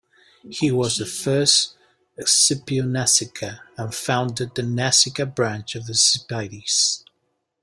He was the first Scipio Nasica and founded the Nasica branch of the Scipiades.